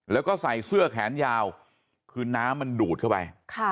แล้วก็ใส่เสื้อแขนยาวคือน้ำมันดูดเข้าไป